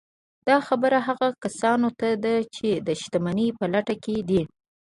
دا خبره هغو کسانو ته ده چې د شتمنۍ په لټه کې دي